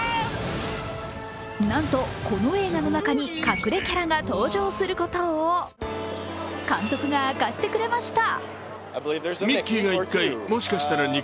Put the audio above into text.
なんとこの映画の中に隠れキャラが登場することを監督が明かしてくれました。